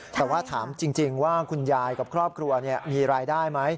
แต่ว่าถามจริงว่าคุณยายกับครอบครัวมีรายได้ไหม